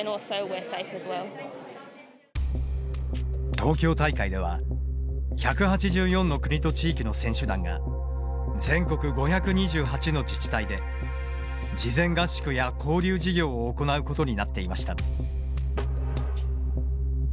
東京大会では１８４の国と地域の選手団が全国５２８の自治体で事前合宿や交流事業を行うことになっていました。